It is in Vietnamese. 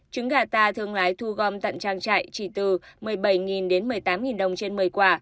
trứng gà ta thường lái thu gom tận trang trại chỉ từ một mươi bảy đến một mươi tám đồng trên một mươi quả